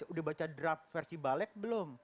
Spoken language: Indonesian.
udah baca draft versi balek belum